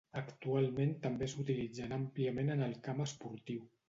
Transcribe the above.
Actualment també s'utilitzen àmpliament en el camp esportiu.